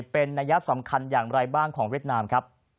เป็นนัยสำคัญอย่างไรบ้างของเวียดนามครับ